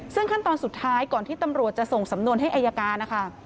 ซึ่งขั้นตอนสุดท้ายก่อนที่ตำรวจจะส่งสำนวนให้อายการนะคะ